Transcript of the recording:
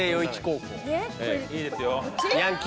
いいですよ。